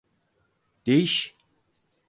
Değiş!